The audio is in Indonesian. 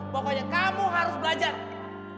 pokoknya kamu harus belajar